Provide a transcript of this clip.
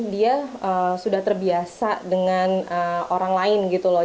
dia sudah terbiasa dengan orang lain gitu loh